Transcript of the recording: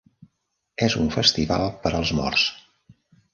És un festival per als morts.